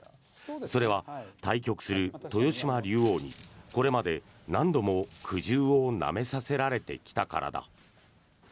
それは対局する豊島竜王にこれまで何度も苦汁をなめさせられてきたからだ。